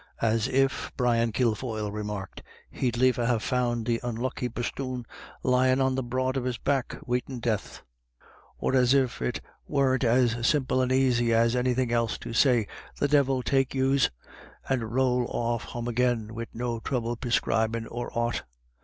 " As if," Brian Kilfoyle I remarked, "he'd liefer ha* found the unlucky bosthoon lyin' on the broad of his back waitin' death ; or as if it worn't as simple and aisy as anythin' else to say, 'The divil take yous,' and j> rowl off home agin, wid no trouble perscribin' or aught.''